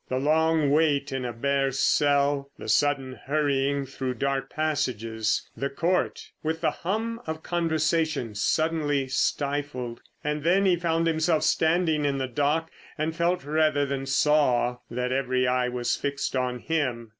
The long wait in a bare cell, the sudden hurrying through dark passages, the Court, with the hum of conversation suddenly stifled—and then he found himself standing in the dock and felt rather than saw that every eye was fixed on him.